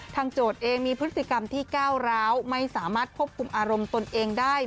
โจทย์เองมีพฤติกรรมที่ก้าวร้าวไม่สามารถควบคุมอารมณ์ตนเองได้